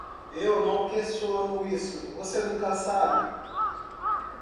Eu não questiono isso, você nunca sabe.